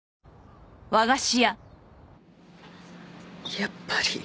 やっぱり。